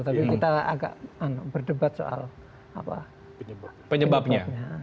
tapi kita agak berdebat soal penyebabnya